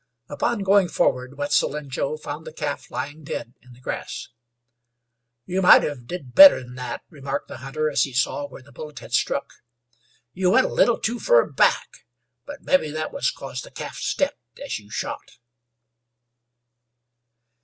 Upon going forward, Wetzel and Joe found the calf lying dead in the grass. "You might hev did better'n that," remarked the hunter, as he saw where the bullet had struck. "You went a little too fer back, but mebbe thet was 'cause the calf stepped as you shot."